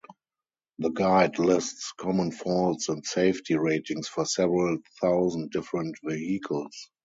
The guide lists common faults and safety ratings for several thousand different vehicles.